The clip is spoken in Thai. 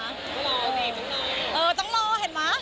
ตอนนี้ก็คำนวจกิจลบกันเพิ่มสำอาง